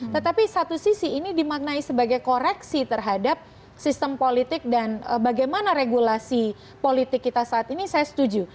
tetapi satu sisi ini dimaknai sebagai koreksi terhadap sistem politik dan bagaimana regulasi politik kita saat ini saya setuju